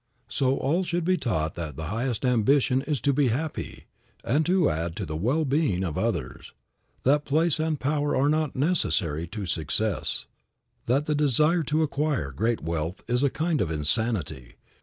So, all should be taught that the highest ambition is to be happy, and to add to the well being of others; that place and power are not necessary to success; that the desire to acquire great wealth is a kind of insanity.